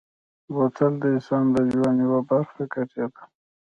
بوتل د انسان د ژوند یوه برخه ګرځېدلې.